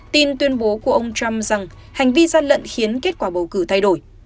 tin tuyên bố của ông trump rằng hành vi gian lận khiến kết quả bầu cử thay đổi